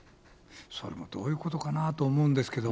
それもどういうことかなと思うんですけど。